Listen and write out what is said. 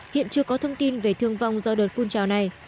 hiện chưa có thông tin về thương vong do đợt phun trào này